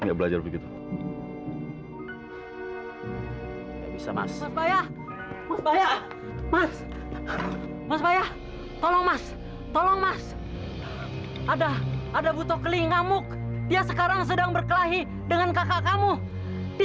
mereka memang tidak bisa dengar remeh